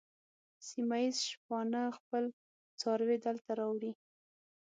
سیمه ییز شپانه خپل څاروي دلته راوړي.